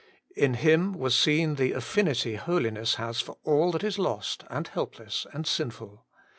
In Him was seen the affinity holiness has for all that is lost and helpless and sinful.